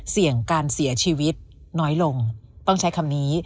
เสี่ยงการเสียชีวิตน้อยลงต้องใช้คำนี้